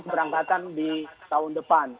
keberangkatan di tahun depan